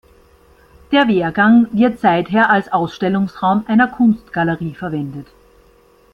Der Wehrgang wird seither als Ausstellungsraum einer Kunstgalerie verwendet.